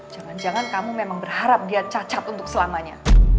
jangan jangan kamu memang berharap dia cacat untuk selamanya